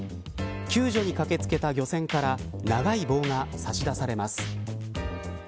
救助に駆け付けた漁船から長い棒が差し出されます。